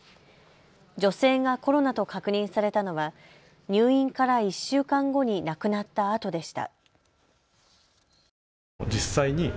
女性がコロナと確認されたのは入院から１週間後に亡くなったあとでした。